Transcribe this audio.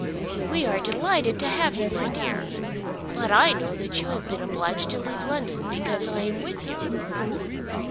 "We are delighted to have you, my dear." "But I know that you have been obliged to leave London because I am with you."